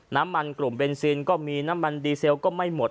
น้ำมันกลุ่มเบนซินก็มีน้ำมันดีเซลก็ไม่หมด